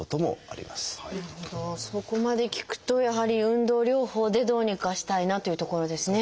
そこまで聞くとやはり運動療法でどうにかしたいなというところですね。